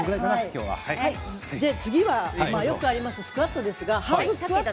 次はよくあるスクワットです。